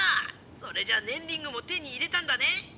それじゃあねんリングも手に入れたんだね？